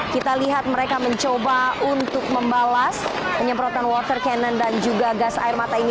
kita lihat mereka mencoba untuk membalas penyemprotan water cannon dan juga gas air mata ini